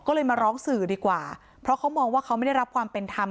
ก็เลยมาร้องสื่อดีกว่าเพราะเขามองว่าเขาไม่ได้รับความเป็นธรรม